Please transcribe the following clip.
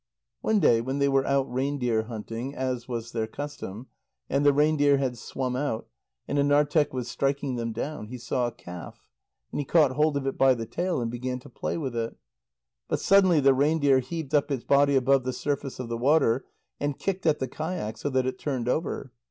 One day when they were out reindeer hunting, as was their custom, and the reindeer had swum out, and Anarteq was striking them down, he saw a calf, and he caught hold of it by the tail and began to play with it. But suddenly the reindeer heaved up its body above the surface of the water, and kicked at the kayak so that it turned over.